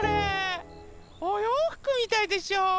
おようふくみたいでしょう？